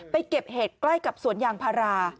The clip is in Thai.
เก็บเห็ดใกล้กับสวนยางพารา